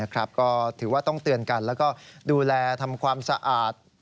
ก็ถือว่าต้องเตือนกันแล้วก็ดูแลทำความสะอาด